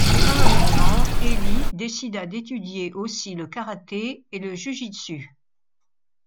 Parallèlement, Eli décida d’étudier aussi le karaté et le jujitsu.